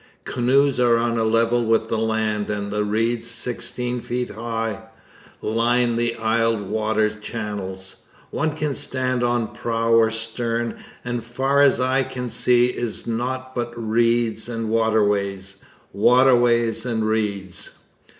Canoes are on a level with the land, and reeds sixteen feet high line the aisled water channels. One can stand on prow or stern and far as eye can see is naught but reeds and waterways, waterways and reeds.